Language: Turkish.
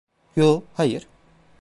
Yo, hayır.